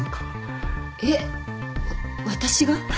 えっ私が？